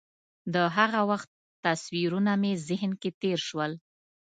د هغه وخت تصویرونه مې ذهن کې تېر شول.